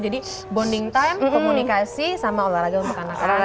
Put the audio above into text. jadi bonding time komunikasi sama olahraga untuk anak anak